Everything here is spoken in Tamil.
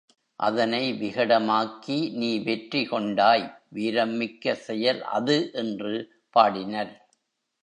அதனை விகடம் ஆக்கி நீ வெற்றி கொண்டாய் வீரம் மிக்க செயல் அது என்று பாடினர்.